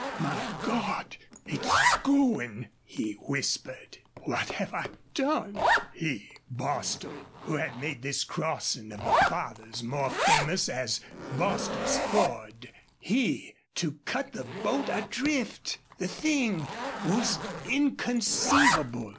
"My God! ... It's goin'!" he whispered. "What have I done?" He Bostil who had made this Crossing of the Fathers more famous as Bostil's Ford he to cut the boat adrift! The thing was inconceivable.